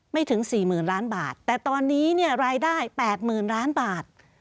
ไม่ถึง๔๐๐๐๐ล้านบาทแต่ตอนนี้รายได้๘๐๐๐๐ล้านบาท